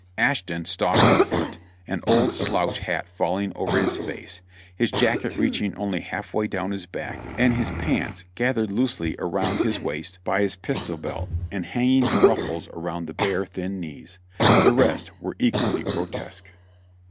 Ashton stalked in front, an old slouch hat falling over his face, his jacket reaching only half way down his back and his pants gathered loosely around his waist by his pistol PU: WITHIN THE ENEMY S LINES 447 belt and hanging in ruffles around the bare, thin knees. The rest were equally grotesque.